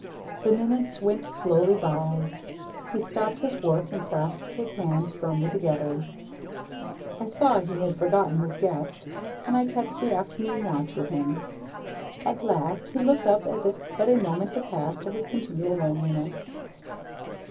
The minutes went slowly by. He stopped his work and clasped his hands firmly together. I saw he had forgotten his guest, and I kept the afternoon watch with him. At last he looked up as if but a moment had passed of his continual loneliness.